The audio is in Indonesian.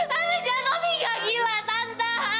tante jahat opi gak gila